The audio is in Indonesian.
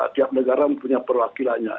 tiap negara punya perwakilannya